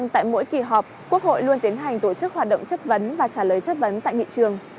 tại mỗi kỳ họp quốc hội luôn tiến hành tổ chức hoạt động chất vấn và trả lời chất vấn tại nghị trường